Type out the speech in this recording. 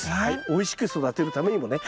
おいしく育てるためにもね。